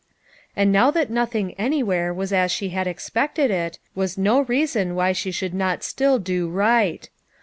And now that nothing anywhere was as she had expected it, was no reason why she should not still do right.